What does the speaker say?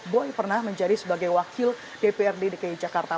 boy pernah menjadi sebagai wakil dpr di dki jakarta